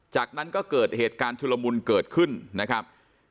จากนั้นก็เกิดเหตุการณ์ชุลมุนเกิดขึ้นนะครับ